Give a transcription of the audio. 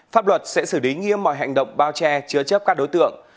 pháp luật sẽ xử lý nghiêm mọi hành động bao che chứa chấp các đối tượng